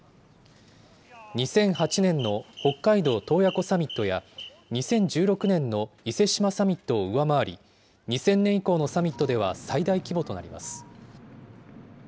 ２００８年の北海道洞爺湖サミットや、２０１６年の伊勢志摩サミットを上回り、２０００年以降のサミットでは最大規模となります。